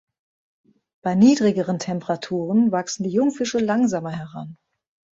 Bei niedrigeren Temperaturen wachsen die Jungfische langsamer heran.